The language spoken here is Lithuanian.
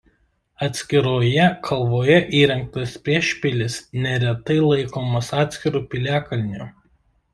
Atskiroje kalvoje įrengtas priešpilis neretai laikomas atskiru piliakalniu.